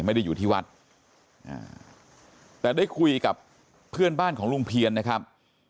ไม่ได้อยู่ที่วัดแต่ได้คุยกับเพื่อนบ้านของลุงเพียนนะครับ